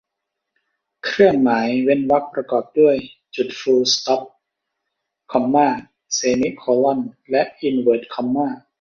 เครื่องหมายเว้นวรรคประกอบด้วย จุดฟูลสต๊อป คอมม่า เซมิโคล่อน และอินเวิร์ทคอมม่า